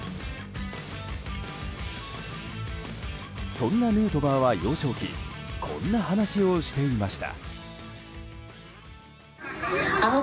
そんなヌートバーは、幼少期こんな話をしていました。